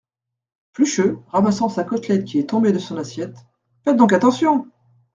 Plucheux , ramassant sa côtelette qui est tombée de son assiette. — Faites donc attention !